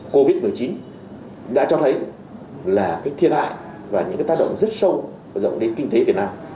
covid một mươi chín đã cho thấy là các thiên hại và những tác động rất sâu và rộng đến kinh tế việt nam